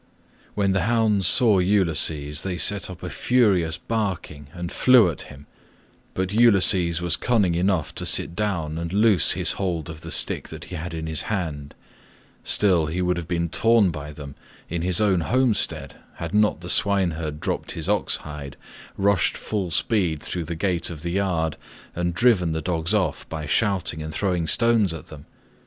When the hounds saw Ulysses they set up a furious barking and flew at him, but Ulysses was cunning enough to sit down and loose his hold of the stick that he had in his hand: still, he would have been torn by them in his own homestead had not the swineherd dropped his ox hide, rushed full speed through the gate of the yard and driven the dogs off by shouting and throwing stones at them.